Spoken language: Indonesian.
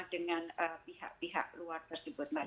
dengan pihak pihak luar tersebut mbak